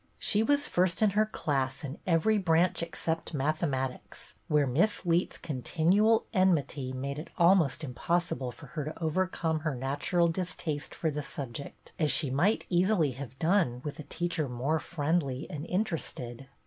She was first in her class in every branch except mathematics, where Miss Leet's continual enmity made it almost impossible for her to overcome her natural distaste for the subject, as she might easily have done, with a teacher more friendly and interested.